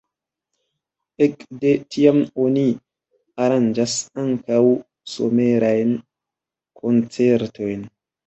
Ekde tiam oni aranĝas ankaŭ somerajn koncertojn.